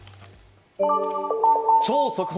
超速報！